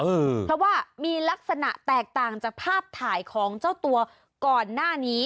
อืมเพราะว่ามีลักษณะแตกต่างจากภาพถ่ายของเจ้าตัวก่อนหน้านี้